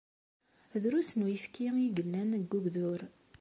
Drus n uyefki ay yellan deg ugdur.